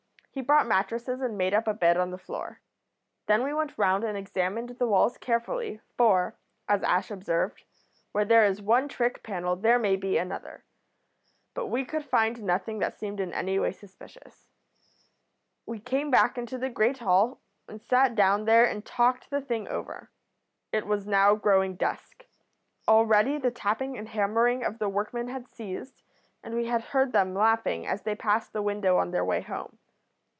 He brought mattresses and made up a bed on the floor. Then we went round and examined the walls carefully, for, as Ash observed, where there is one trick panel there may be another. But we could find nothing that seemed in any way suspicious. "We came back into the great hall, and sat down there and talked the thing over. It was now growing dusk. Already the tapping and hammering of the workmen had ceased, and we had heard them laughing as they passed the window on their way home.